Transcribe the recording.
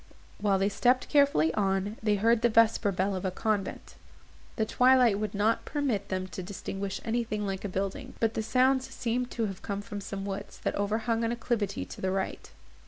While they stepped carefully on, they heard the vesper bell of a convent. The twilight would not permit them to distinguish anything like a building, but the sounds seemed to come from some woods, that overhung an acclivity to the right.